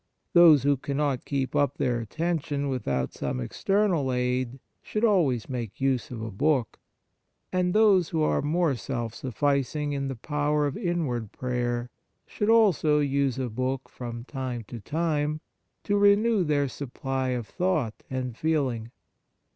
Those who cannot keep up their attention without some external aid should always make use of a book ; and those who are more self sufficing in the power of inward prayer should also use a book from time to time to renew their supply of thought and feeling.